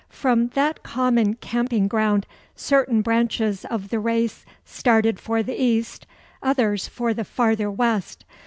From that common camping ground certain branches of the race started for the east, others for the farther west.